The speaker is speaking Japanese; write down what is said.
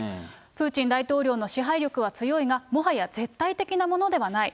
プーチン大統領の支配力は強いがもはや絶対的なものではない。